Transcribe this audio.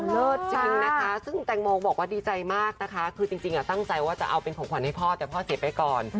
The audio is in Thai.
จริงนะคะซึ่งแตงโมบอกว่าดีใจมากนะคะคือจริงตั้งใจว่าจะเอาเป็นของขวัญให้พ่อแต่พ่อเสียไปก่อน